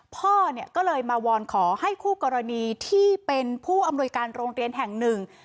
พ่อเนี่ยก็เลยมาวอนขอให้คู่กรณีที่เป็นผู้อำนวยการโรงเรียนแห่งหนึ่ง